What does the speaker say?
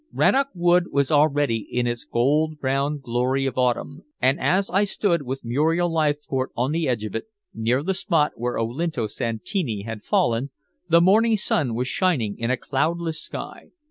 Rannoch Wood was already in its gold brown glory of autumn, and as I stood with Muriel Leithcourt on the edge of it, near the spot where Olinto Santini had fallen, the morning sun was shining in a cloudless sky.